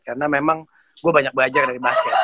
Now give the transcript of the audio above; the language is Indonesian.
karena memang gue banyak belajar dari basket gitu